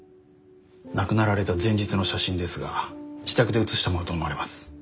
亡くなられた前日の写真ですが自宅で写したものと思われます。